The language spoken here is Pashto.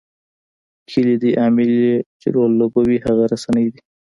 کلیدي عامل چې رول لوبوي هغه رسنۍ دي.